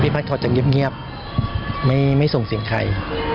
พี่พรรณทรจักรเงียบอีกง่ายไม่ส่งเถียงใคร